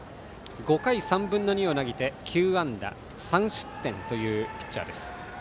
５回３分の２を投げて９安打３失点というピッチャー。